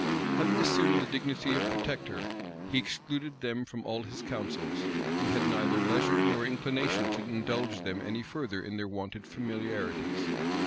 Having assumed the dignity of protector, he excluded them from all his councils, and had neither leisure nor inclination to indulge them any further in their wonted familiarities.